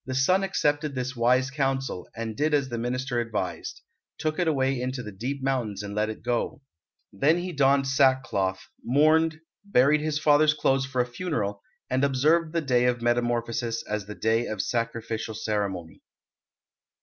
The son accepted this wise counsel, and did as the Minister advised, took it away into the deep mountains and let it go. Then he donned sackcloth, mourned, buried his father's clothes for a funeral, and observed the day of metamorphosis as the day of sacrificial ceremony.